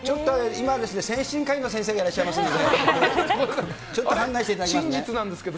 今、精神科医の先生がいらっしゃいますので、ちょっと判断していただ真実なんですけど。